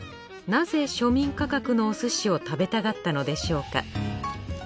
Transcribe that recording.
なぜ庶民価格のお寿司を食べたがったのでしょうか。